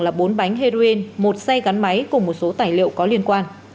tăng vật thu giữ tại hiện trường là bốn bánh heroin một xe gắn máy cùng một số tài liệu có liên quan